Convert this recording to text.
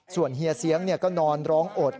ส่วนเฮียเสียงเนี่ยก็นอนร้องโอดโอด